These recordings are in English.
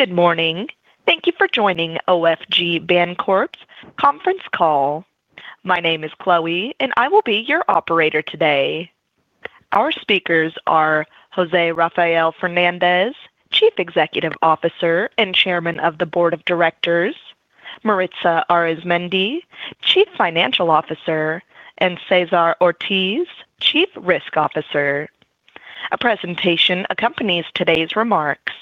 Good morning. Thank you for joining OFG Bancorp's conference call. My name is Chloe, and I will be your operator today. Our speakers are José Rafael Fernández, Chief Executive Officer and Chairman of the Board of Directors, Maritza Arizmendi, Chief Financial Officer, and César Ortiz, Chief Risk Officer. A presentation accompanies today's remarks.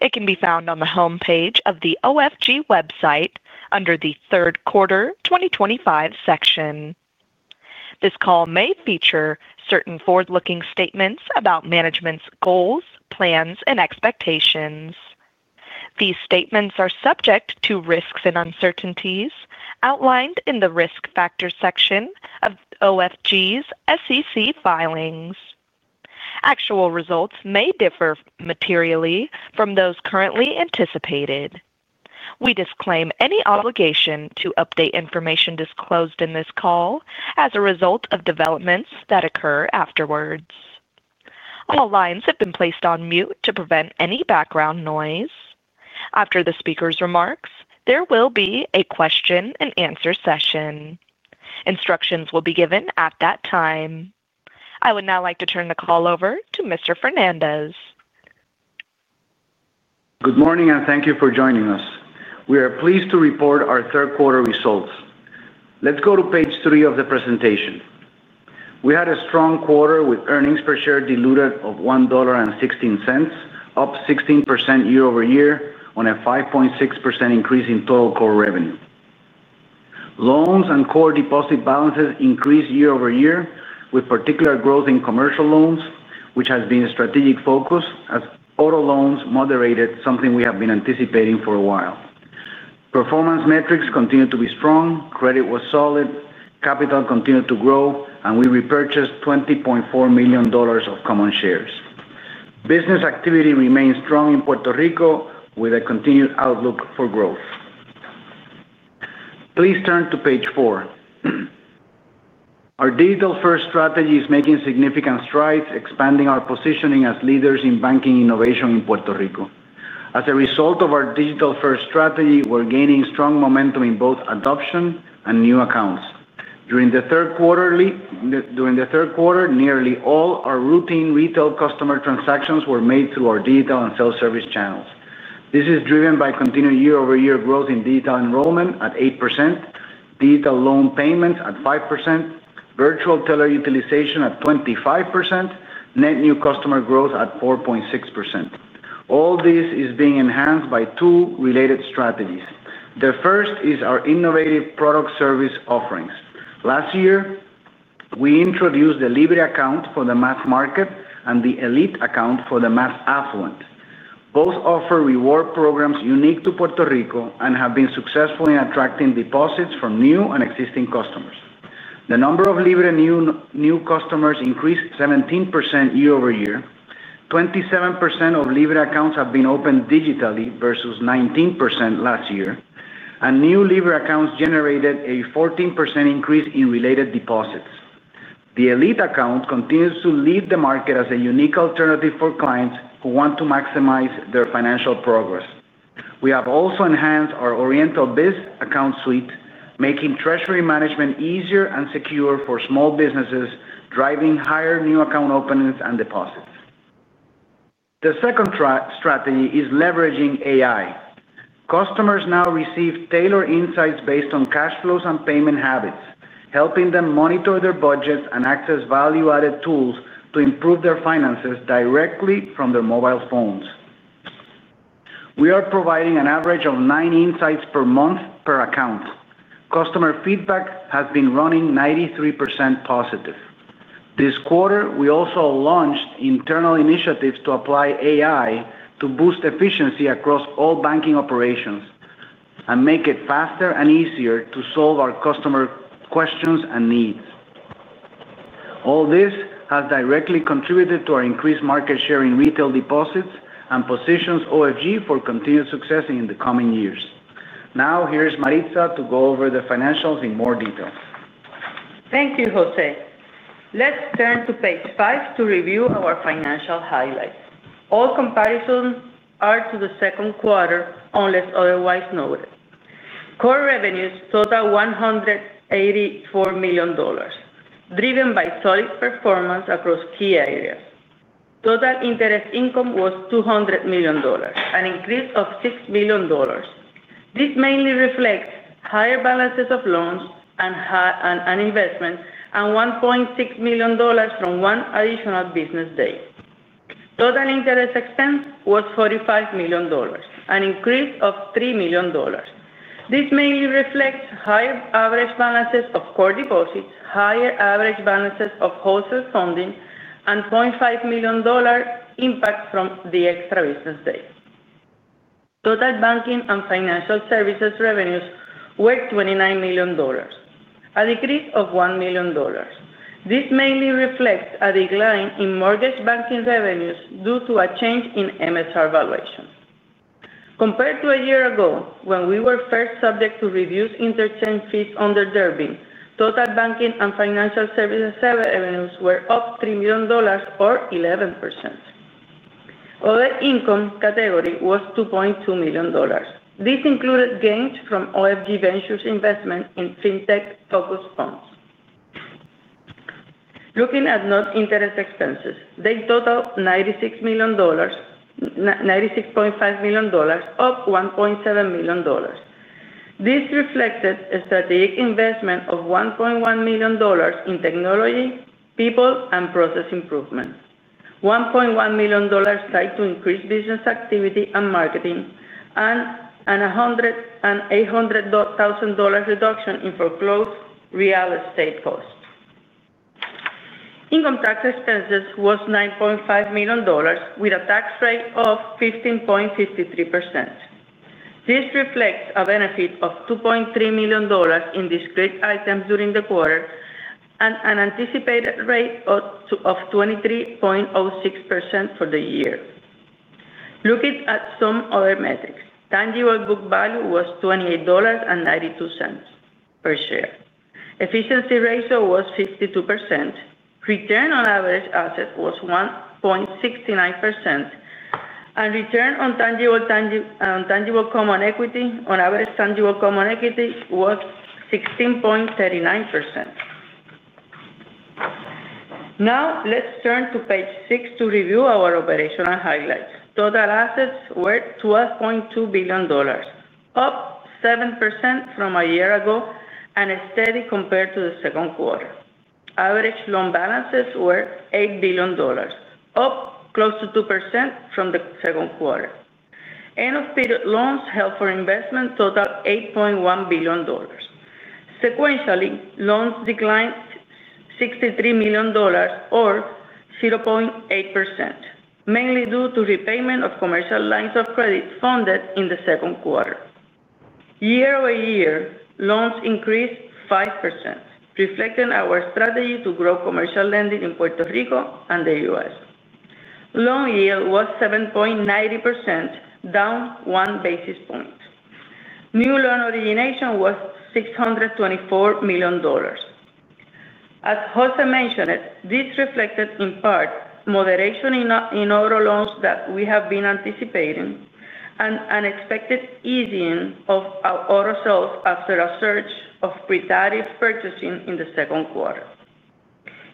It can be found on the homepage of the OFG website under the Third Quarter 2025 section. This call may feature certain forward-looking statements about management's goals, plans, and expectations. These statements are subject to risks and uncertainties outlined in the Risk Factors section of OFG's SEC filings. Actual results may differ materially from those currently anticipated. We disclaim any obligation to update information disclosed in this call as a result of developments that occur afterwards. All lines have been placed on mute to prevent any background noise. After the speaker's remarks, there will be a question and answer session. Instructions will be given at that time. I would now like to turn the call over to Mr. Fernández. Good morning, and thank you for joining us. We are pleased to report our third quarter results. Let's go to page three of the presentation. We had a strong quarter with diluted EPS of $1.16, up 16% year-over-year on a 5.6% increase in total core revenue. Loans and core deposit balances increased year-over-year with particular growth in commercial loans, which has been a strategic focus as auto loans moderated, something we have been anticipating for a while. Performance metrics continue to be strong. Credit was solid. Capital continued to grow, and we repurchased $20.4 million of common shares. Business activity remains strong in Puerto Rico with a continued outlook for growth. Please turn to page four. Our digital-first strategy is making significant strides, expanding our positioning as leaders in banking innovation in Puerto Rico. As a result of our digital-first strategy, we're gaining strong momentum in both adoption and new accounts. During the third quarter, nearly all our routine retail customer transactions were made through our digital and self-service channels. This is driven by continued year-over-year growth in digital enrollment at 8%, digital loan payments at 5%, virtual teller utilization at 25%, and net new customer growth at 4.6%. All this is being enhanced by two related strategies. The first is our innovative product service offerings. Last year, we introduced the Libre account for the mass market and the Elite account for the mass affluent. Both offer reward programs unique to Puerto Rico and have been successful in attracting deposits from new and existing customers. The number of Libre new customers increased 17% year-over-year. 27% of Libre accounts have been opened digitally versus 19% last year, and new Libre accounts generated a 14% increase in related deposits. The Elite account continues to lead the market as a unique alternative for clients who want to maximize their financial progress. We have also enhanced our Oriental Biz account suite, making treasury management easier and secure for small businesses, driving higher new account openings and deposits. The second strategy is leveraging AI. Customers now receive tailored insights based on cash flows and payment habits, helping them monitor their budgets and access value-added tools to improve their finances directly from their mobile phones. We are providing an average of nine insights per month per account. Customer feedback has been running 93% positive. This quarter, we also launched internal initiatives to apply AI to boost efficiency across all banking operations and make it faster and easier to solve our customer questions and needs. All this has directly contributed to our increased market share in retail deposits and positions OFG Bancorp for continued success in the coming years. Now, here's Maritza to go over the financials in more detail. Thank you, José. Let's turn to page five to review our financial highlights. All comparisons are to the second quarter unless otherwise noted. Core revenues total $184 million, driven by solid performance across key areas. Total interest income was $200 million, an increase of $6 million. This mainly reflects higher balances of loans and investments and $1.6 million from one additional business day. Total interest expense was $45 million, an increase of $3 million. This mainly reflects higher average balances of core deposits, higher average balances of wholesale funding, and $0.5 million impact from the extra business day. Total banking and financial services revenues were $29 million, a decrease of $1 million. This mainly reflects a decline in mortgage banking revenues due to a change in MSR valuation. Compared to a year ago, when we were first subject to reduced interest and fees under Durbin, total banking and financial services revenues were up $3 million or 11%. Other income category was $2.2 million. This included gains from OFG Ventures investment in fintech-focused funds. Looking at net interest expenses, they total $96.5 million, up $1.7 million. This reflected a strategic investment of $1.1 million in technology, people, and process improvement, $1.1 million tied to increased business activity and marketing, and an $800,000 reduction in foreclosed real estate costs. Income tax expenses were $9.5 million with a tax rate of 15.53%. This reflects a benefit of $2.3 million in discrete items during the quarter and an anticipated rate of 23.06% for the year. Looking at some other metrics, tangible book value was $28.92/share. Efficiency ratio was 52%. Return on average assets was 1.69%, and return on tangible common equity, on average tangible common equity, was 16.39%. Now, let's turn to page six to review our operational highlights. Total assets were $12.2 billion, up 7% from a year ago and steady compared to the second quarter. Average loan balances were $8 billion, up close to 2% from the second quarter. End of loans held for investment total $8.1 billion. Sequentially, loans declined $63 million or 0.8%, mainly due to repayment of commercial lines of credit funded in the second quarter. Year-over-year, loans increased 5%, reflecting our strategy to grow commercial lending in Puerto Rico and the U.S. Loan yield was 7.90%, down one basis point. New loan origination was $624 million. As José mentioned, this reflected in part moderation in auto loans that we have been anticipating and an expected easing of auto sales after a surge of repetitive purchasing in the second quarter.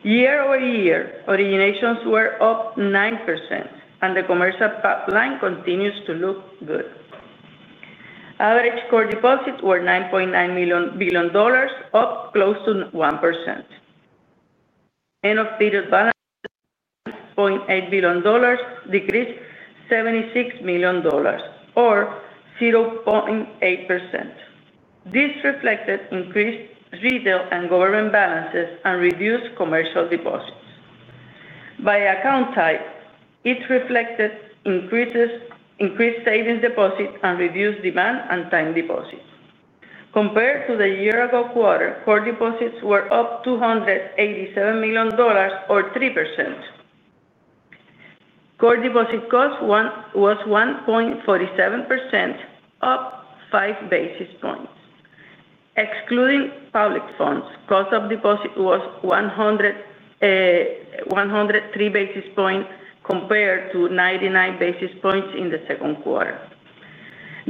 Year over year, originations were up 9%, and the commercial pipeline continues to look good. Average core deposits were $9.9 billion, up close to 1%. End of period balance $8.8 billion decreased $76 million or 0.8%. This reflected increased retail and government balances and reduced commercial deposits. By account type, it reflected increased savings deposit and reduced demand and time deposit. Compared to the year ago quarter, core deposits were up $287 million or 3%. Core deposit cost was 1.47%, up five basis points. Excluding public funds, cost of deposit was 103 basis points compared to 99 basis points in the second quarter.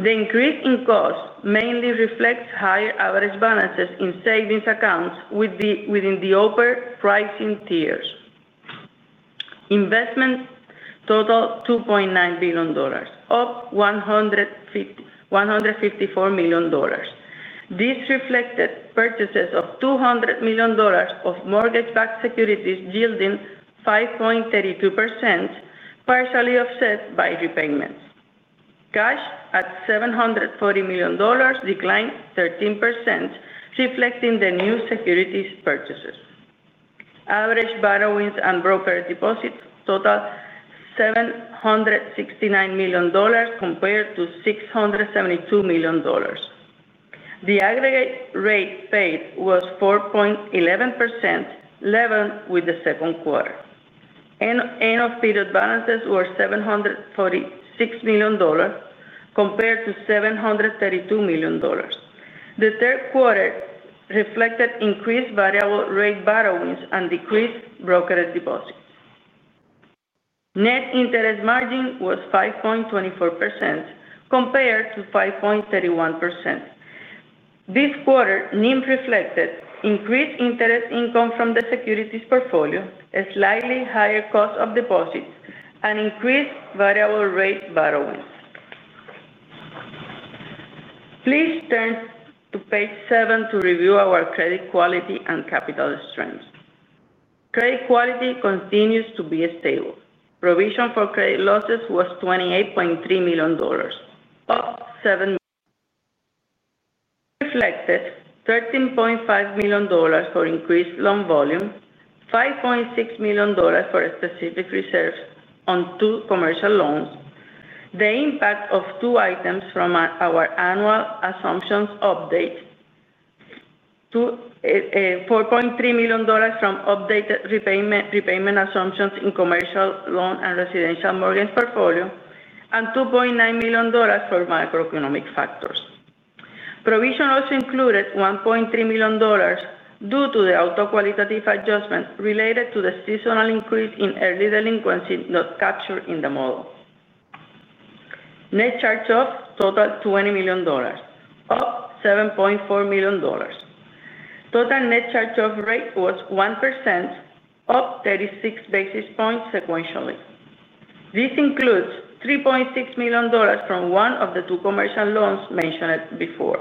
The increase in cost mainly reflects higher average balances in savings accounts within the upper pricing tiers. Investment total $2.9 billion, up $154 million. This reflected purchases of $200 million of mortgage-backed securities yielding 5.32%, partially offset by repayments. Cash at $740 million declined 13%, reflecting the new securities purchases. Average borrowings and broker deposits total $769 million compared to $672 million. The aggregate rate paid was 4.11%, 11% with the second quarter. End of period balances were $746 million compared to $732 million. The third quarter reflected increased variable rate borrowings and decreased brokerage deposits. Net interest margin was 5.24% compared to 5.31%. This quarter NIM reflected increased interest income from the securities portfolio, a slightly higher cost of deposits, and increased variable rate borrowings. Please turn to page seven to review our credit quality and capital strength. Credit quality continues to be stable. Provision for credit losses was $28.3 million, up $7 million. Reflected $13.5 million for increased loan volume, $5.6 million for specific reserves on two commercial loans, the impact of two items from our annual assumptions update, $4.3 million from updated repayment assumptions in commercial loan and residential mortgage portfolio, and $2.9 million for macro-economic factors. Provision also included $1.3 million due to the auto qualitative adjustment related to the seasonal increase in early delinquency not captured in the model. Net charge of total $20 million, up $7.4 million. Total net charge-offs rate was 1%, up 36 basis points sequentially. This includes $3.6 million from one of the two commercial loans mentioned before.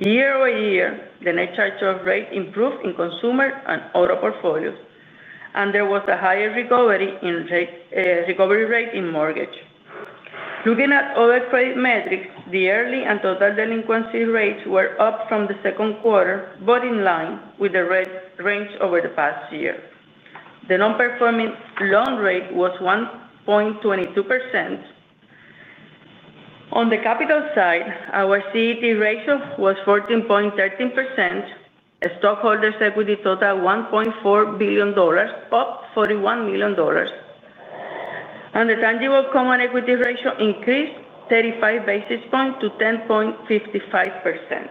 Year-over-year, the net charge-off rate improved in consumer and auto portfolios, and there was a higher recovery rate in mortgage. Looking at other credit metrics, the early and total delinquency rates were up from the second quarter, but in line with the range over the past year. The non-performing loan rate was 1.22%. On the capital side, our CET1 ratio was 14.13%, stockholders' equity totaled $1.4 billion, up $41 million, and the tangible common equity ratio increased 35 basis points to 10.55%.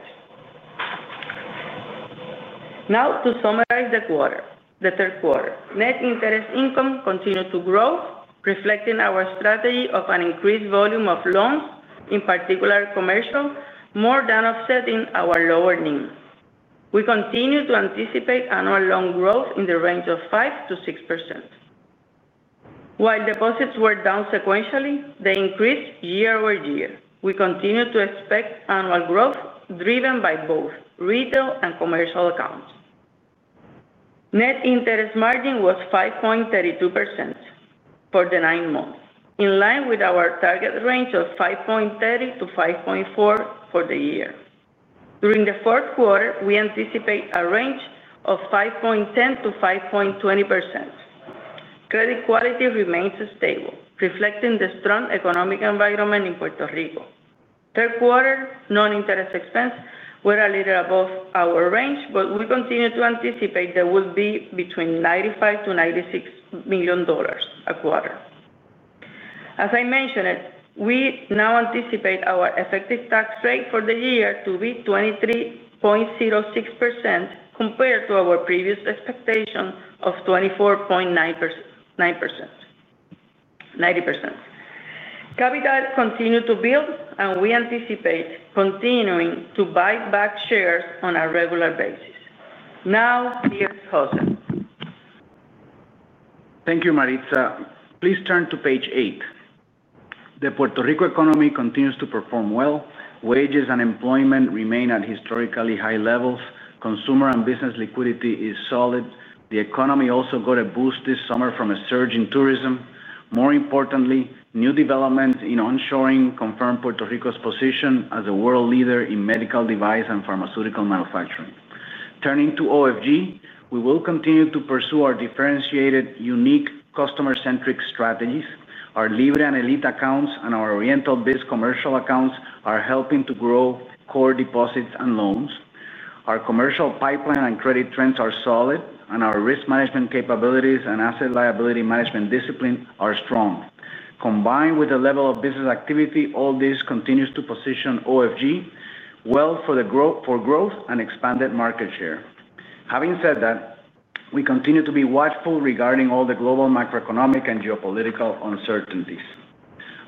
Now, to summarize the third quarter, net interest income continued to grow, reflecting our strategy of an increased volume of loans, in particular commercial, more than offsetting our lower NIM. We continue to anticipate annual loan growth in the range of 5%-6%. While deposits were down sequentially, they increased year-over-year. We continue to expect annual growth driven by both retail and commercial accounts. Net interest margin was 5.32% for the nine months, in line with our target range of 5.30%-5.4% for the year. During the fourth quarter, we anticipate a range of 5.10%-5.20%. Credit quality remains stable, reflecting the strong economic environment in Puerto Rico. Third quarter non-interest expense was a little above our range, but we continue to anticipate they will be between $95 million-$96 million a quarter. As I mentioned, we now anticipate our effective tax rate for the year to be 23.06% compared to our previous expectation of 24.9%. Capital continued to build, and we anticipate continuing to buy back shares on a regular basis. Now, here's José. Thank you, Maritza. Please turn to page eight. The Puerto Rico economy continues to perform well. Wages and employment remain at historically high levels. Consumer and business liquidity is solid. The economy also got a boost this summer from a surge in tourism. More importantly, new developments in onshoring confirm Puerto Rico's position as a world leader in medical device and pharmaceutical manufacturing. Turning to OFG, we will continue to pursue our differentiated, unique customer-centric strategies. Our Libre and Elite accounts and our Oriental Biz commercial accounts are helping to grow core deposits and loans. Our commercial pipeline and credit trends are solid, and our risk management capabilities and asset liability management discipline are strong. Combined with the level of business activity, all this continues to position OFG well for growth and expanded market share. Having said that, we continue to be watchful regarding all the global macro-economic and geopolitical uncertainties.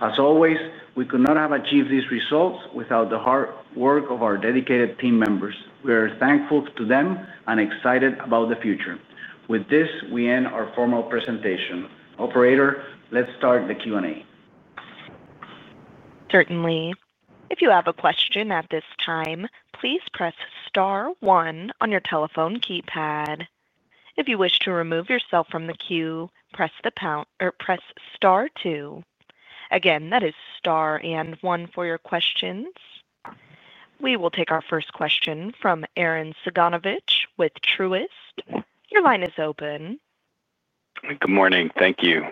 As always, we could not have achieved these results without the hard work of our dedicated team members. We are thankful to them and excited about the future. With this, we end our formal presentation. Operator, let's start the Q&A. Certainly. If you have a question at this time, please press star one on your telephone keypad. If you wish to remove yourself from the queue, press the pound or press star two. Again, that is star one for your questions. We will take our first question from Arren Cyganovich with Truist. Your line is open. Good morning. Thank you.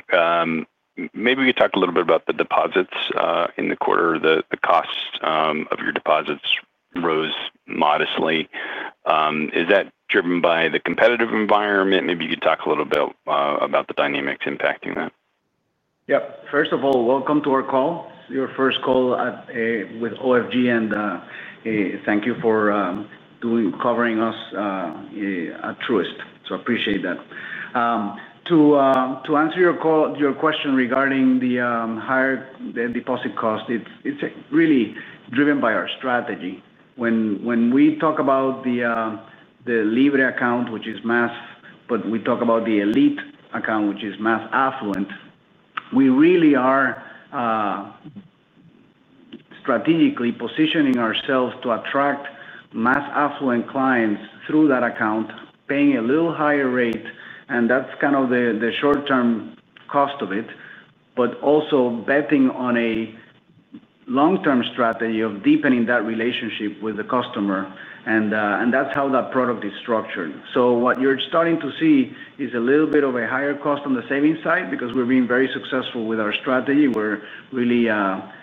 Maybe we could talk a little bit about the deposits in the quarter. The costs of your deposits rose modestly. Is that driven by the competitive environment? Maybe you could talk a little bit about the dynamics impacting that. First of all, welcome to our call. It's your first call with OFG, and thank you for covering us at Truist. I appreciate that. To answer your question regarding the higher deposit cost, it's really driven by our strategy. When we talk about the Libre account, which is mass, but we talk about the Elite account, which is mass affluent, we really are strategically positioning ourselves to attract mass affluent clients through that account, paying a little higher rate, and that's kind of the short-term cost of it, but also betting on a long-term strategy of deepening that relationship with the customer. That's how that product is structured. What you're starting to see is a little bit of a higher cost on the savings side because we're being very successful with our strategy. We're really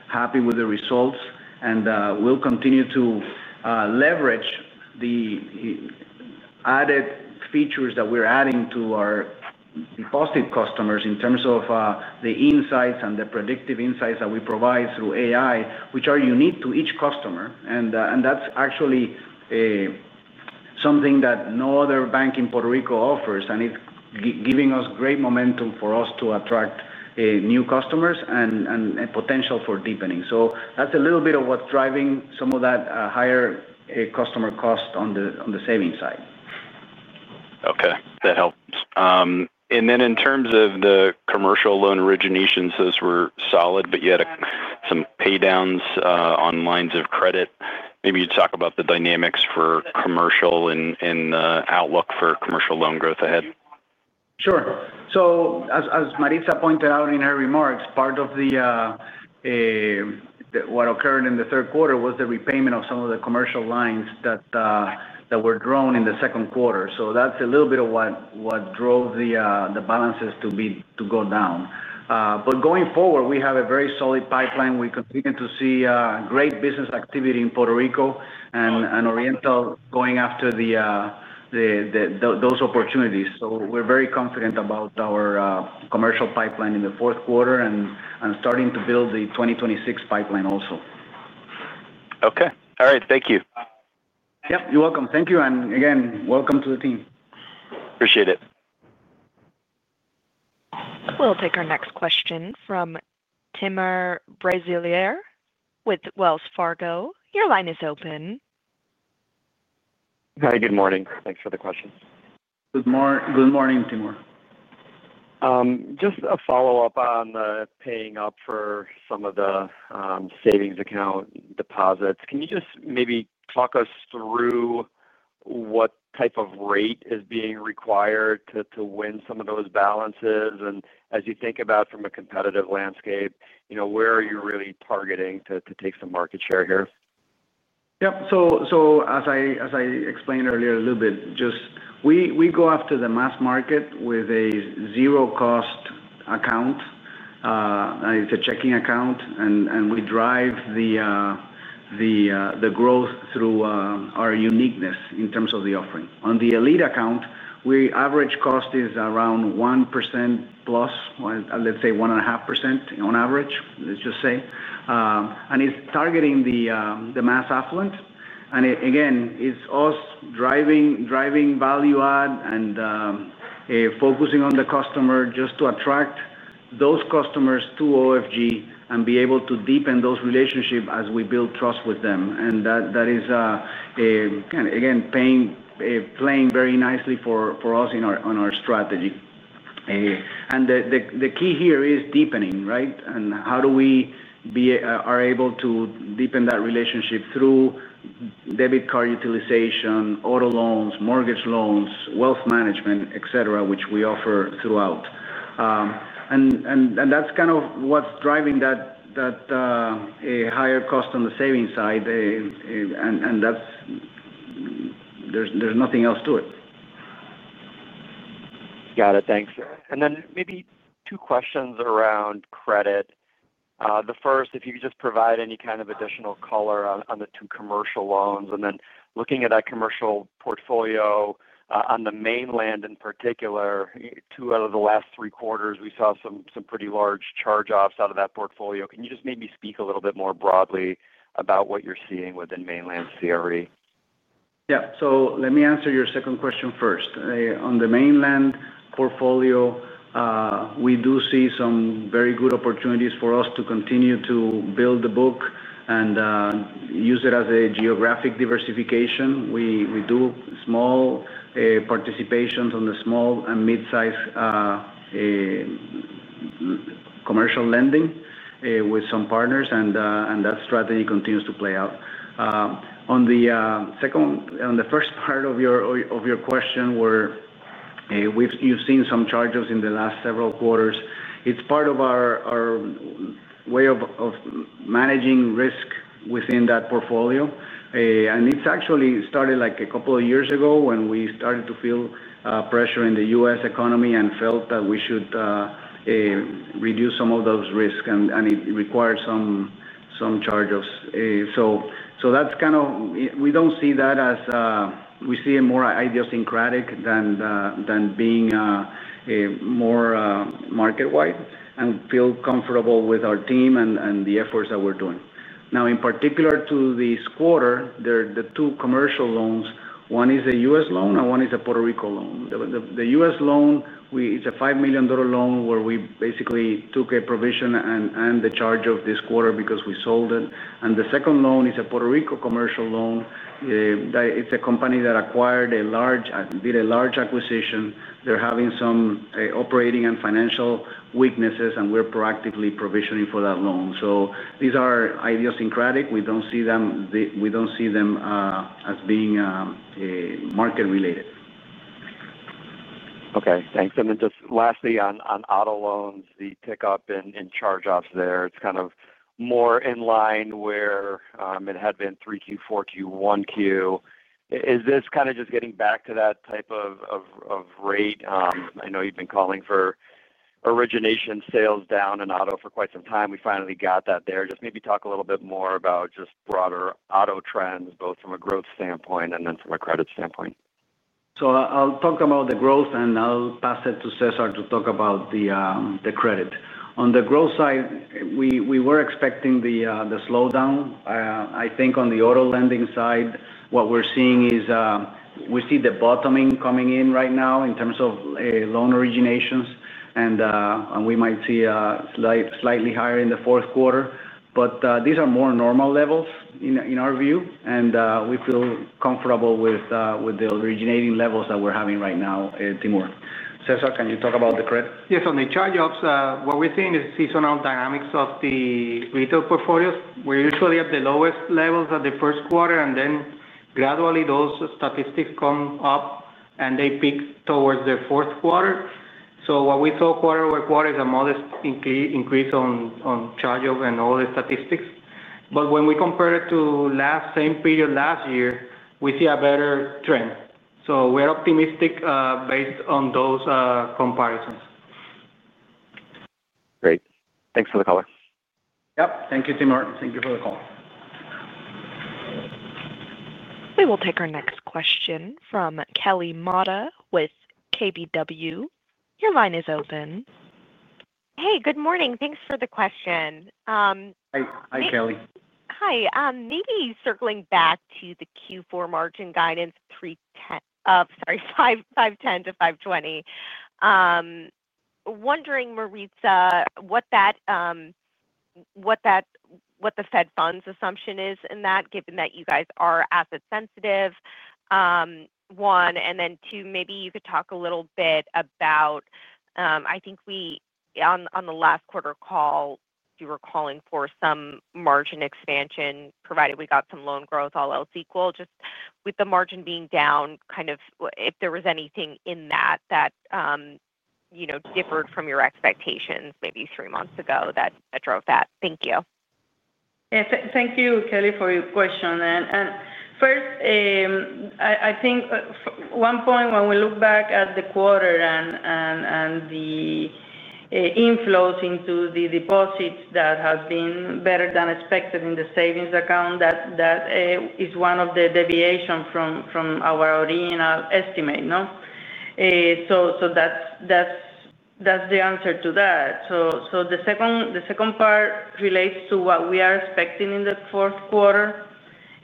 happy with the results, and we'll continue to leverage the added features that we're adding to our deposit customers in terms of the insights and the predictive insights that we provide through AI, which are unique to each customer. That's actually something that no other bank in Puerto Rico offers, and it's giving us great momentum for us to attract new customers and a potential for deepening. That's a little bit of what's driving some of that higher customer cost on the savings side. Okay. That helps. In terms of the commercial loan originations, those were solid, but you had some paydowns on lines of credit. Maybe you'd talk about the dynamics for commercial and the outlook for commercial loan growth ahead. Sure. As Maritza pointed out in her remarks, part of what occurred in the third quarter was the repayment of some of the commercial lines that were drawn in the second quarter. That's a little bit of what drove the balances to go down. Going forward, we have a very solid pipeline. We continue to see great business activity in Puerto Rico and Oriental Bank going after those opportunities. We're very confident about our commercial pipeline in the fourth quarter and starting to build the 2026 pipeline also. Okay. All right. Thank you. You're welcome. Thank you, and welcome to the team. Appreciate it. We'll take our next question from Timur Braziler with Wells Fargo. Your line is open. Hi. Good morning. Thanks for the question. Good morning. Good morning, Timur. Just a follow-up on the paying up for some of the savings account deposits. Can you just maybe talk us through what type of rate is being required to win some of those balances? As you think about it from a competitive landscape, where are you really targeting to take some market share here? As I explained earlier a little bit, we go after the mass market with a zero-cost account. It's a checking account, and we drive the growth through our uniqueness in terms of the offering. On the Elite account, our average cost is around 1%+, let's say, 1.5% on average. It's targeting the mass affluent. Again, it's us driving value add and focusing on the customer just to attract those customers to OFG and be able to deepen those relationships as we build trust with them. That is, again, playing very nicely for us in our strategy. The key here is deepening, right? How are we able to deepen that relationship through debit card utilization, auto loans, mortgage loans, wealth management, etc., which we offer throughout? That's kind of what's driving that higher cost on the savings side. There's nothing else to it. Got it. Thanks. Maybe two questions around credit. The first, if you could just provide any kind of additional color on the two commercial loans. Looking at that commercial portfolio, on the mainland in particular, two out of the last three quarters, we saw some pretty large charge-offs out of that portfolio. Can you just maybe speak a little bit more broadly about what you're seeing within mainland CRE? Yeah. Let me answer your second question first. On the mainland portfolio, we do see some very good opportunities for us to continue to build the book and use it as a geographic diversification. We do small participations on the small and mid-sized commercial lending with some partners, and that strategy continues to play out. On the first part of your question where you've seen some charges in the last several quarters, it's part of our way of managing risk within that portfolio. It actually started a couple of years ago when we started to feel pressure in the U.S. economy and felt that we should reduce some of those risks, and it required some charges. We don't see that as, we see it more idiosyncratic than being more market-wide and feel comfortable with our team and the efforts that we're doing. Now, in particular to this quarter, there are the two commercial loans. One is a U.S. loan and one is a Puerto Rico loan. The U.S. loan, it's a $5 million loan where we basically took a provision and the charge this quarter because we sold it. The second loan is a Puerto Rico commercial loan that is a company that did a large acquisition. They're having some operating and financial weaknesses, and we're proactively provisioning for that loan. These are idiosyncratic. We don't see them as being market-related. Okay. Thanks. Lastly, on auto loans, the pickup in charge-offs there is kind of more in line where it had been three Q, four Q, one Q. Is this just getting back to that type of rate? I know you've been calling for origination sales down in auto for quite some time. We finally got that there. Maybe talk a little bit more about broader auto trends, both from a growth standpoint and then from a credit standpoint. I'll talk about the growth, and I'll pass it to César to talk about the credit. On the growth side, we were expecting the slowdown. I think on the auto lending side, what we're seeing is, we see the bottoming coming in right now in terms of loan originations, and we might see slightly higher in the fourth quarter. These are more normal levels in our view, and we feel comfortable with the originating levels that we're having right now, Timur. César, can you talk about the credit? Yes. On the charge-offs, what we're seeing is seasonal dynamics of the retail portfolios. We're usually at the lowest levels in the first quarter, and then gradually, those statistics come up, and they peak towards the fourth quarter. What we saw quarter over quarter is a modest increase on charge-off and all the statistics. When we compare it to the same period last year, we see a better trend. We're optimistic, based on those comparisons. Great. Thanks for the color. Thank you, Timur. Thank you for the call. We will take our next question from Kelly Ann Motta with Keefe, Bruyette & Woods. Your line is open. Good morning. Thanks for the question. Hi, Kelly. Hi. Maybe circling back to the Q4 margin guidance, $5.10-$5.20. Wondering, Maritza, what the Fed funds assumption is in that, given that you guys are asset-sensitive, one. Two, maybe you could talk a little bit about, I think on the last quarter call, you were calling for some margin expansion provided we got some loan growth, all else equal. Just with the margin being down, if there was anything in that that differed from your expectations maybe three months ago that drove that? Thank you. Thank you, Kelly, for your question. First, I think one point when we look back at the quarter and the inflows into the deposits that have been better than expected in the savings account, that is one of the deviations from our original estimate, no? That's the answer to that. The second part relates to what we are expecting in the fourth quarter.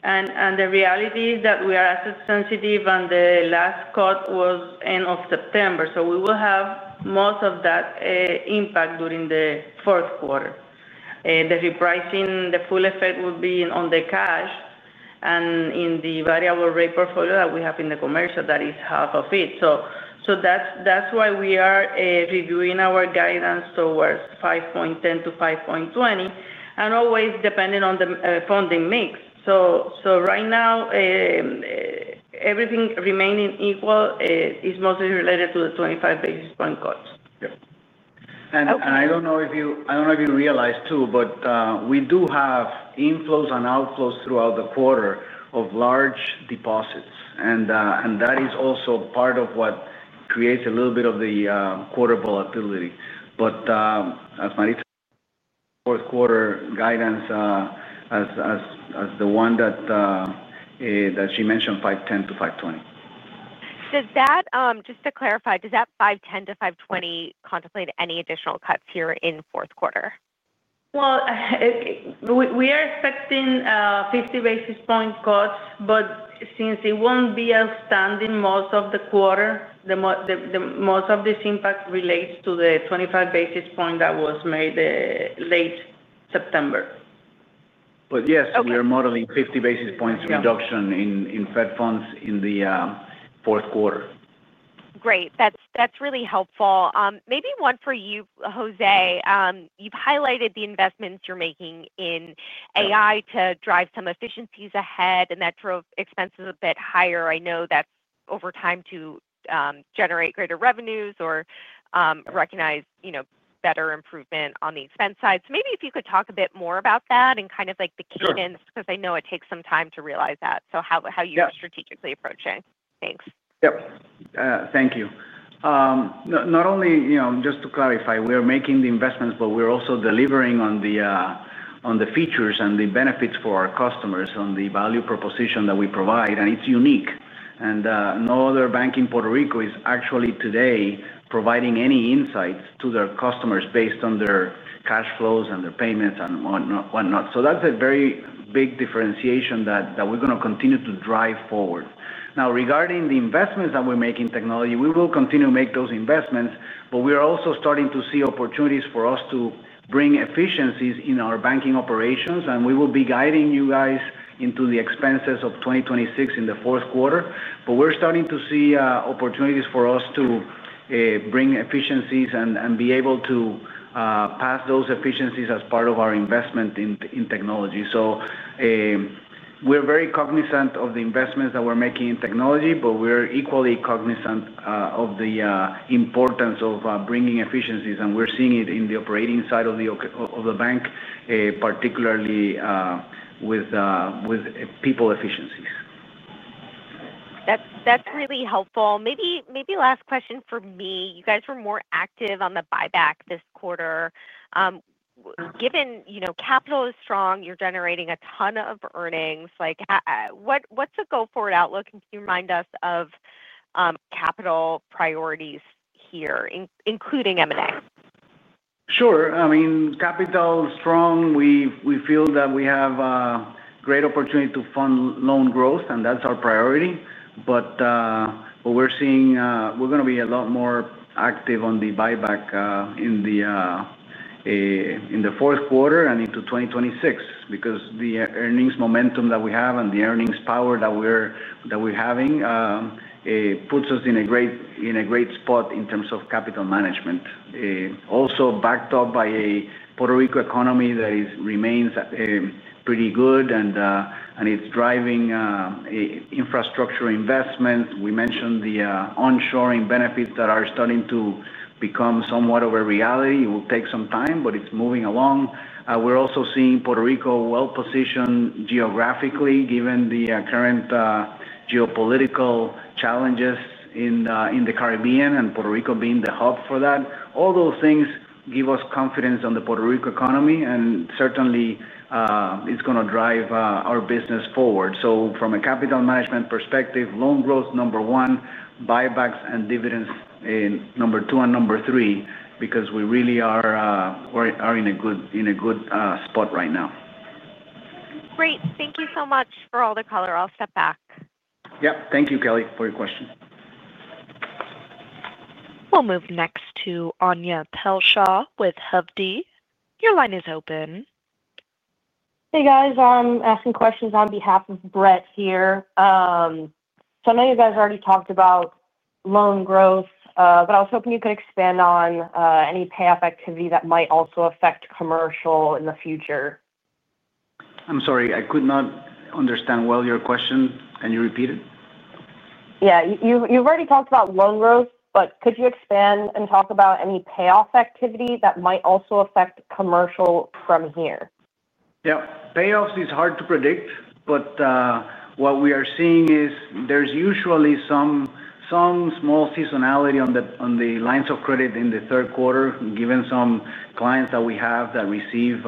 The reality is that we are asset-sensitive, and the last cut was end of September. We will have most of that impact during the fourth quarter. The repricing, the full effect will be on the cash and in the variable rate portfolio that we have in the commercial that is half of it. That's why we are reviewing our guidance towards 5.10%-5.20% and always depending on the funding mix. Right now, everything remaining equal, is mostly related to the 25 basis point cuts. I don't know if you realize, too, but we do have inflows and outflows throughout the quarter of large deposits, and that is also part of what creates a little bit of the quarter volatility. As Maritza said, the fourth quarter guidance, as the one that she mentioned, $510 million-$520 million. Does that, just to clarify, does that $510-$520 contemplate any additional cuts here in fourth quarter? We are expecting 50 basis point cuts, but since it won't be outstanding most of the quarter, most of this impact relates to the 25 basis point that was made late September. Yes, we are modeling a 50 basis points reduction in Fed funds in the fourth quarter. Great. That's really helpful. Maybe one for you, José. You've highlighted the investments you're making in AI to drive some efficiencies ahead, and that drove expenses a bit higher. I know that's over time to generate greater revenues or recognize better improvement on the expense side. If you could talk a bit more about that and kind of like the cadence because I know it takes some time to realize that. How you're strategically approaching? Thanks. Thank you. Not only, you know, just to clarify, we are making the investments, but we're also delivering on the features and the benefits for our customers on the value proposition that we provide, and it's unique. No other bank in Puerto Rico is actually today providing any insights to their customers based on their cash flows and their payments and whatnot. That's a very big differentiation that we're going to continue to drive forward. Now, regarding the investments that we make in technology, we will continue to make those investments, but we are also starting to see opportunities for us to bring efficiencies in our banking operations. We will be guiding you guys into the expenses of 2026 in the fourth quarter, but we're starting to see opportunities for us to bring efficiencies and be able to pass those efficiencies as part of our investment in technology. We're very cognizant of the investments that we're making in technology, but we're equally cognizant of the importance of bringing efficiencies. We're seeing it in the operating side of the bank, particularly with people efficiencies. That's really helpful. Maybe last question for me. You guys were more active on the buyback this quarter. Given you know capital is strong, you're generating a ton of earnings. What's the go-forward outlook? Can you remind us of capital priorities here, including M&A? Sure. I mean, capital is strong. We feel that we have a great opportunity to fund loan growth, and that's our priority. What we're seeing, we're going to be a lot more active on the buyback in the fourth quarter and into 2026 because the earnings momentum that we have and the earnings power that we're having puts us in a great spot in terms of capital management. Also backed up by a Puerto Rico economy that remains pretty good, and it's driving infrastructure investments. We mentioned the onshoring benefits that are starting to become somewhat of a reality. It will take some time, but it's moving along. We're also seeing Puerto Rico well-positioned geographically given the current geopolitical challenges in the Caribbean and Puerto Rico being the hub for that. All those things give us confidence on the Puerto Rico economy, and certainly, it's going to drive our business forward. From a capital management perspective, loan growth, number one, buybacks and dividends, number two and number three, because we really are in a good spot right now. Great. Thank you so much for all the color. I'll step back. Thank you, Kelly, for your question. We'll move next to Anya Pelshaw with Hovde Group. Your line is open. Hey, guys. I'm asking questions on behalf of Brett here. I know you guys already talked about loan growth, but I was hoping you could expand on any payoff activity that might also affect commercial in the future. I'm sorry. I could not understand well your question. Can you repeat it? Yeah. You've already talked about loan growth, but could you expand and talk about any payoff activity that might also affect commercial from here? Yeah. Payoffs are hard to predict, but what we are seeing is there's usually some small seasonality on the lines of credit in the third quarter given some clients that we have that receive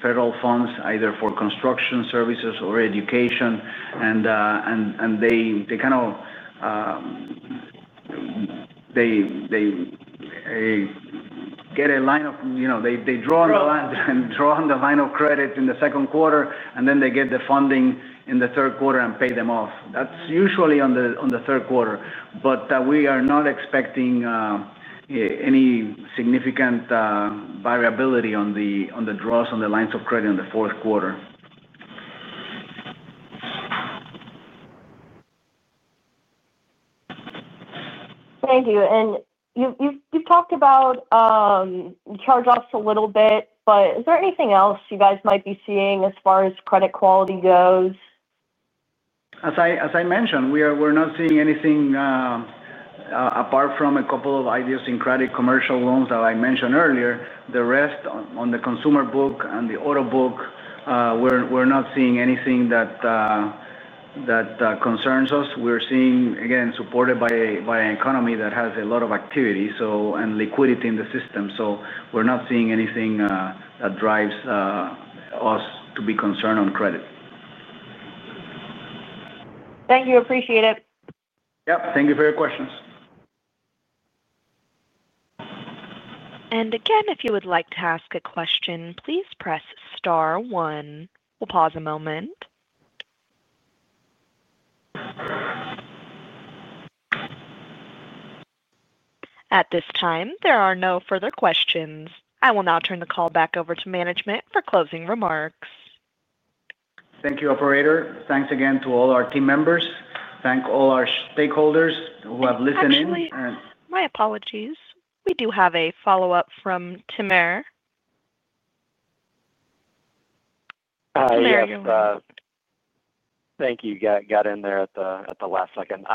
federal funds either for construction services or education. They kind of draw on the line of credit in the second quarter, and then they get the funding in the third quarter and pay them off. That's usually in the third quarter. We are not expecting any significant variability on the draws on the lines of credit in the fourth quarter. Thank you. You've talked about charge-offs a little bit, but is there anything else you guys might be seeing as far as credit quality goes? As I mentioned, we're not seeing anything, apart from a couple of idiosyncratic commercial loans that I mentioned earlier. The rest on the consumer book and the auto book, we're not seeing anything that concerns us. We're seeing, again, supported by an economy that has a lot of activity and liquidity in the system. We're not seeing anything that drives us to be concerned on credit. Thank you. Appreciate it. Thank you for your questions. If you would like to ask a question, please press star one. We'll pause a moment. At this time, there are no further questions. I will now turn the call back over to management for closing remarks. Thank you, operator. Thanks again to all our team members. Thank all our stakeholders who have listened in. My apologies. We do have a follow-up from Timur. Hi. Timur, you're on. Thank you. Got in there at the last second.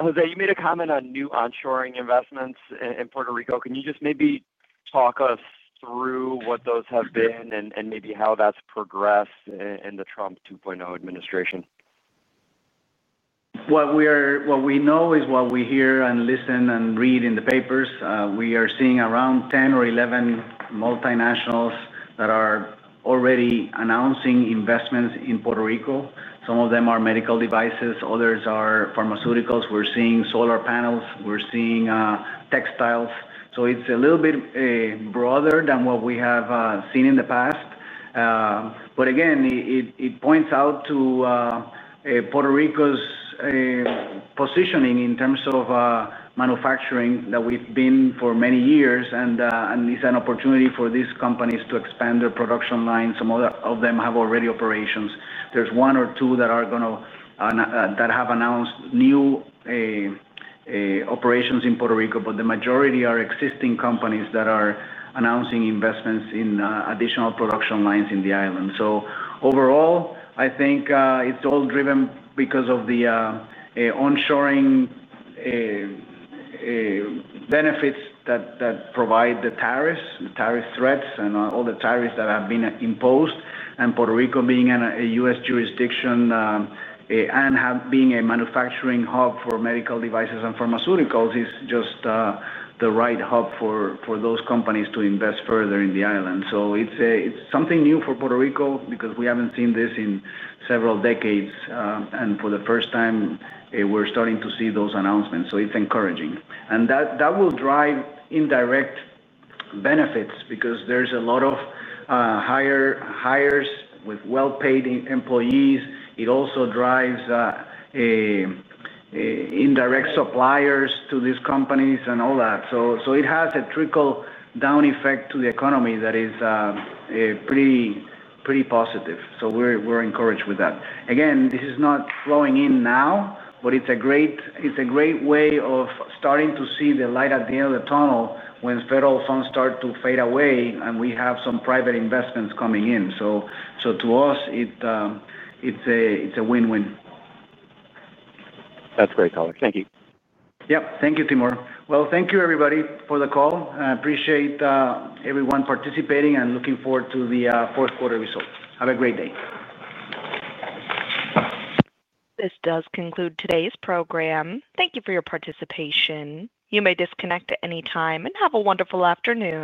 José, you made a comment on new onshoring investments in Puerto Rico. Can you just maybe talk us through what those have been and maybe how that's progressed in the Trump 2.0 administration? What we know is what we hear and listen and read in the papers. We are seeing around 10 or 11 multinationals that are already announcing investments in Puerto Rico. Some of them are medical devices, others are pharmaceuticals. We're seeing solar panels. We're seeing textiles. It's a little bit broader than what we have seen in the past. It points out to Puerto Rico's positioning in terms of manufacturing that we've been for many years, and it's an opportunity for these companies to expand their production lines. Some of them have already operations. There's one or two that have announced new operations in Puerto Rico, but the majority are existing companies that are announcing investments in additional production lines in the island. Overall, I think it's all driven because of the onshoring benefits that provide the tariffs, the tariff threats, and all the tariffs that have been imposed. Puerto Rico being a U.S. jurisdiction and being a manufacturing hub for medical devices and pharmaceuticals is just the right hub for those companies to invest further in the island. It's something new for Puerto Rico because we haven't seen this in several decades. For the first time, we're starting to see those announcements. It's encouraging. That will drive indirect benefits because there's a lot of hires with well-paid employees. It also drives indirect suppliers to these companies and all that. It has a trickle-down effect to the economy that is pretty positive. We're encouraged with that. This is not flowing in now, but it's a great way of starting to see the light at the end of the tunnel when federal funds start to fade away and we have some private investments coming in. To us, it's a win-win. That's great color. Thank you. Thank you, Timur. Thank you, everybody, for the call. I appreciate everyone participating and looking forward to the fourth quarter results. Have a great day. This does conclude today's program. Thank you for your participation. You may disconnect at any time and have a wonderful afternoon.